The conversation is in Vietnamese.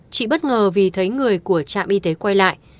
chị bất ngờ vì thấy người của trạm y tế quay lại